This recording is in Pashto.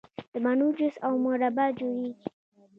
د مڼو جوس او مربا جوړیږي.